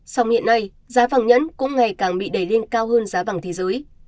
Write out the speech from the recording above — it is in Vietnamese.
so với hiện nay giá vàng nhẫn cũng ngày càng bị đẩy lên cao hơn giá vàng thế giới